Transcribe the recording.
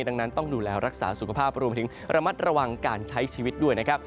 ดังนั้นต้องดูแลรักษาสุขภาพรวมถึงระมัดระวังการใช้ชีวิตด้วยนะครับ